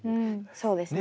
そうですね。